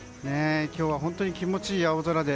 今日は本当に気持ちいい青空で。